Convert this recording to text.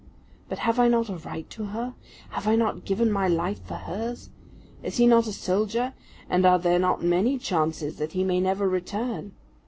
But have I not a right to her? Have I not given my life for hers? Is he not a soldier, and are there not many chances that he may never return?